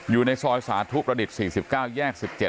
อยู่ในซอยสาธุประดิษฐ์๔๙แยก๑๗